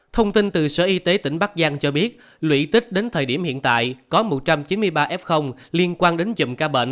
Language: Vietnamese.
thông tin từ sở y tế tỉnh bắc giang cho biết lũy tích đến thời điểm hiện tại có một trăm chín mươi ba f liên quan đến chùm ca bệnh